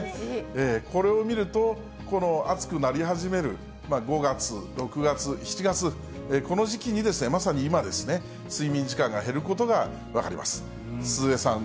これを見ると、この暑くなり始める５月、６月、７月、この時期に、まさに今ですね、睡眠時間が減ることが分かります。